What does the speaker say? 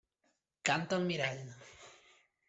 Canta al mirall.